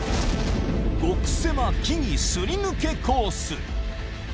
極狭木々すり抜けコース。